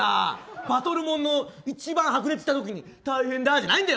バトルもんの一番白熱した時に大変だじゃないんだよ。